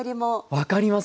分かります。